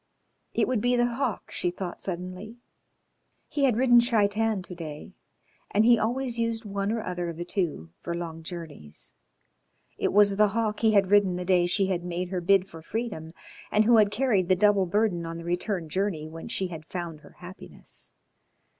It would be The Hawk, she thought suddenly. He had ridden Shaitan to day, and he always used one or other of the two for long journeys. It was The Hawk he had ridden the day she had made her bid for freedom and who had carried the double burden on the return journey when she had found her happiness.